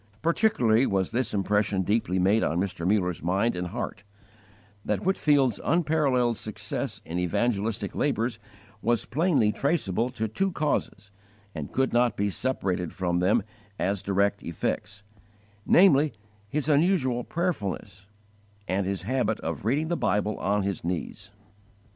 Particularly was this impression deeply made on Mr. Muller's mind and heart: that Whitefield's unparalleled success in evangelistic labours was plainly traceable to two causes and could not be separated from them as direct effects; namely, his _unusual prayerfulness, and his habit of reading the Bible on his knees.